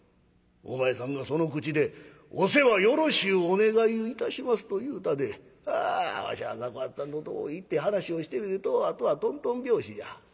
お前さんがその口で『お世話よろしゅうお願いをいたします』と言うたでわしゃ雑穀八さんのとこ行って話をしてみるとあとはとんとん拍子じゃ。